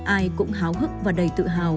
ai cũng háo hức và đầy tự hào